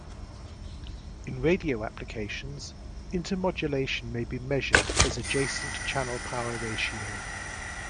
In radio applications, intermodulation may be measured as adjacent channel power ratio.